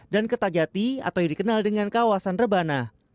dan ketajati atau yang dikenal dengan kawasan rebana